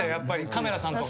カメラさんとか。